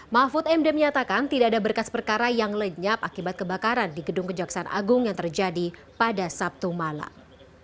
mahfud md menyatakan tidak ada berkas perkara yang lenyap akibat kebakaran di gedung kejaksaan agung yang terjadi pada sabtu malam